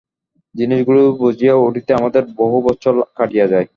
জিনিষগুলি বুঝিয়া উঠিতে আমাদের বহু বৎসর কাটিয়া যায়।